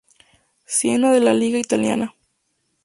Siena de la Liga italiana.